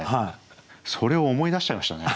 それを思い出しちゃいましたね。